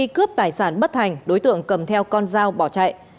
khi cướp tài sản bất hành đối tượng cầm theo con dao bỏ chạy